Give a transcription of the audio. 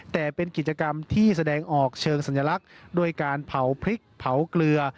แต่เป็นกิจกรรมที่แสดงออกเชิงสัญลักษณ์ด้วยการเผาพริกเผาเกลือ